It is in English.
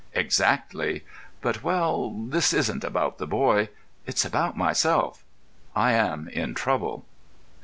"Exactly. But—well, this isn't about the boy. It's about myself. I am in trouble."